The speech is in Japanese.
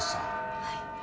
はい。